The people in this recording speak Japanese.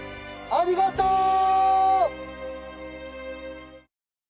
ありがとう！